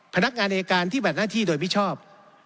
๒พนักงานเอการที่แบดหน้าที่โดยผิดชอบ